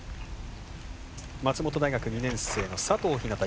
松本大学２年生の佐藤ひなた。